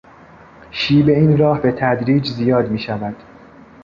شیب این راه به تدریج زیاد میشود.